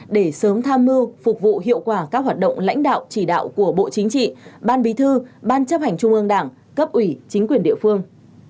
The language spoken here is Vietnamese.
để sớm tham mưu phục vụ hiệu quả các hoạt động lãnh đạo chỉ đạo của bộ chính trị ban bí thư ban chấp hành trung ương đảng cấp ủy chính quyền địa phương